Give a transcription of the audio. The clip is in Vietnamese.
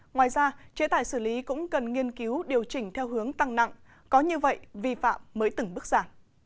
ngoài ra chế tài xử lý cũng cần nghiên cứu điều chỉnh theo hướng tăng nặng có như vậy vi phạm mới từng bước giả